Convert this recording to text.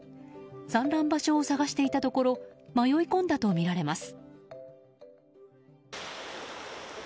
産卵場所を探していたところ迷い込んだとみられます。